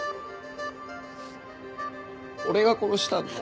俺が殺したんだ。